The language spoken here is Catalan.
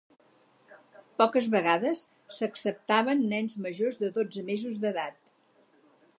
Poques vegades s'acceptaven nens majors de dotze mesos d'edat.